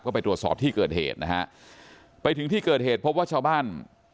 ก็ไปตรวจสอบที่เกิดเหตุนะฮะไปถึงที่เกิดเหตุพบว่าชาวบ้าน